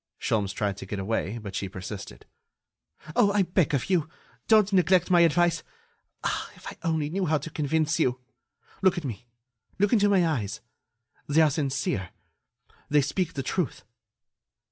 Sholmes tried to get away, but she persisted: "Oh! I beg of you, don't neglect my advice.... Ah! if I only knew how to convince you! Look at me! Look into my eyes! They are sincere ... they speak the truth."